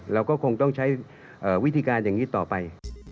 เราก็คงต้องใช้วิธีการอย่างนี้ต่อไป